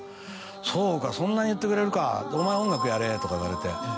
「そうかそんなに言ってくれるか」。とか言われて。